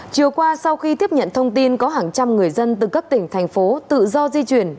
chiều qua sau khi tiếp nhận thông tin có hàng trăm người dân từ các tỉnh thành phố tự do di chuyển